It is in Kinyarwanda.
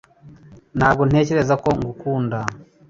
Ntabwo ntekereza ko ngukunda